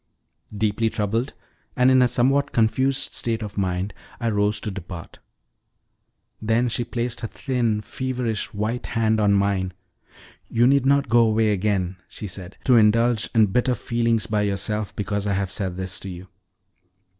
Deeply troubled, and in a somewhat confused state of mind, I rose to depart. Then she placed her thin, feverish white hand on mine. "You need not go away again," she said, "to indulge in bitter feelings by yourself because I have said this to you.